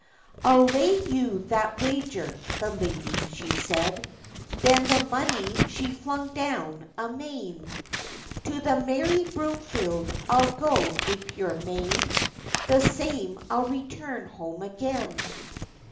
'I'll lay you that wager,' the lady she said, Then the money she flung down amain; 'To the merry Broomfield I'll go a pure maid, The same I'll return home again.